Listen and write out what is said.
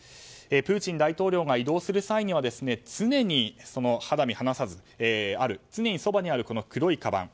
プーチン大統領が移動する際には常に肌身離さずある常にそばにある黒いかばん。